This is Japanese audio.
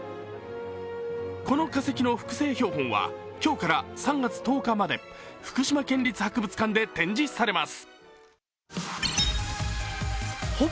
この化石の複製標本は今日から３月１０日まで福島県立博物館で展示されます。